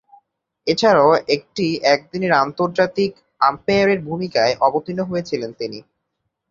এছাড়াও, একটি একদিনের আন্তর্জাতিকে আম্পায়ারের ভূমিকায় অবতীর্ণ হয়েছিলেন তিনি।